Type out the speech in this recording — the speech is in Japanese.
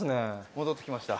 戻ってきました。